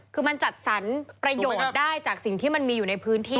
คือมันจัดสรรประโยชน์ได้จากสิ่งที่มันมีอยู่ในพื้นที่